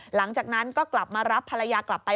หลังจากนั้นก็กลับมารับภรรยากลับไป